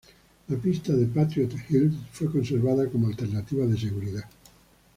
La pista de Patriot Hills fue conservada como alternativa de seguridad.